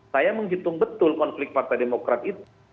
saya menghitung betul konflik partai demokrat itu